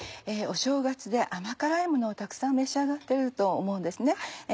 お正月で甘辛いものをたくさん召し上がってると思うんですね。